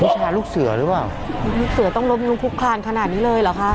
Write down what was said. แชร์ลูกเสือหรือเปล่าลูกเสือต้องล้มลุกคุกคลานขนาดนี้เลยเหรอคะ